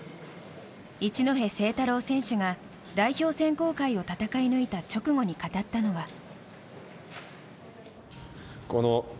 一戸誠太郎選手が代表選考会を戦い抜いた直後に語ったのは。